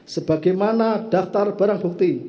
sebagaimana daftar barang bukti